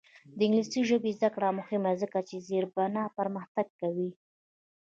د انګلیسي ژبې زده کړه مهمه ده ځکه چې زیربنا پرمختګ کوي.